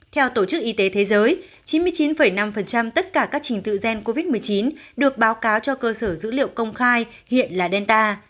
theo tổ chức y tế thế giới chín mươi chín năm tất cả các trình tự gen covid một mươi chín được báo cáo cho cơ sở dữ liệu công khai hiện là delta